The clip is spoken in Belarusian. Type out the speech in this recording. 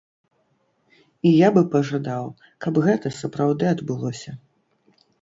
І я бы пажадаў, каб гэта сапраўды адбылося.